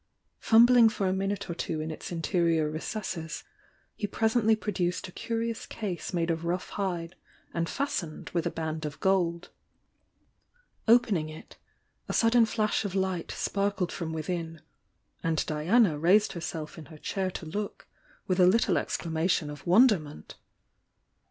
Fumbling for a minute or two in its interior recesses, he presently produced a curious case made of rough hide and fastened with a band of gold. Opening it, a sudden flash of light sparkled from within — and Diana raised herself in her chair to look, with a little exclamation of wonderment.